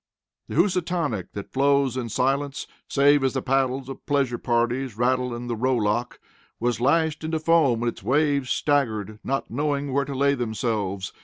The Housatonic, that flows in silence save as the paddles of pleasure parties rattle in the row lock, was lashed into foam and its waves staggered, not knowing where to lay themselves.